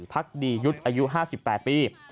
พักดียุทธ์อายุ๕๘ปี